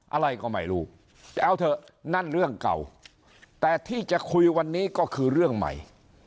อะไรก็ไม่รู้แต่เอาเถอะนั่นเรื่องเก่าแต่ที่จะคุยวันนี้ก็คือเรื่องใหม่